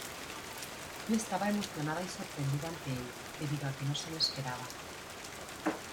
Jo estaba emocionada y sorprendida ante ello debido a que no se lo esperaba.